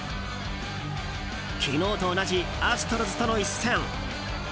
昨日と同じアストロズとの一戦。